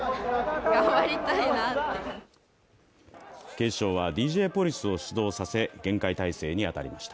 警視庁はＤＪポリスを出動させ厳戒態勢に当たりました。